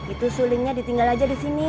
itu sulingnya ditinggal aja di sini